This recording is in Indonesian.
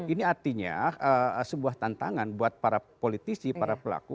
ini artinya sebuah tantangan buat para politisi para pelaku